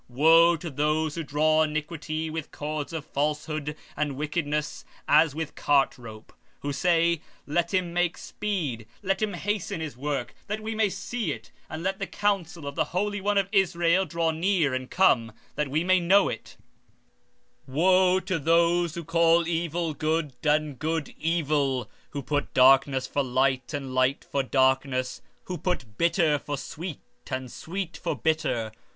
15:18 Wo unto them that draw iniquity with cords of vanity, and sin as it were with a cart rope; 15:19 That say: Let him make speed, hasten his work, that we may see it; and let the counsel of the Holy One of Israel draw nigh and come, that we may know it. 15:20 Wo unto them that call evil good, and good evil, that put darkness for light, and light for darkness, that put bitter for sweet, and sweet for bitter!